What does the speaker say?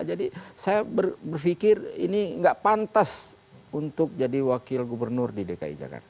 jadi saya berpikir ini gak pantas untuk jadi wakil gubernur di dki jakarta